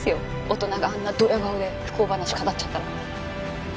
大人があんなドヤ顔で不幸話語っちゃったら。